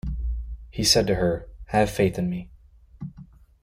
He said to her, Have faith in Me.